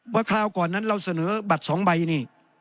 ว่าคราวก่อนนั้นเราเสนอบัตรสองใบนี้